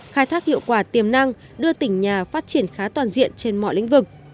khai thác hiệu quả tiềm năng đưa tỉnh nhà phát triển khá toàn diện trên mọi lĩnh vực